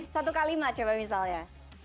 satu kalimat coba misalnya